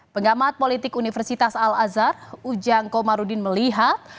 pengamat politik universitas al azhar ujang komarudin melihat